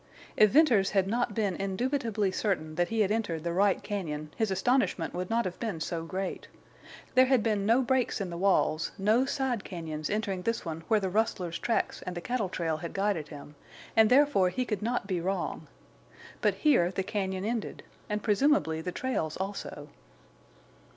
If Venters had not been indubitably certain that he had entered the right cañon his astonishment would not have been so great. There had been no breaks in the walls, no side cañons entering this one where the rustlers' tracks and the cattle trail had guided him, and, therefore, he could not be wrong. But here the cañon ended, and presumably the trails also.